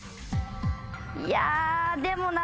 いやでもなぁ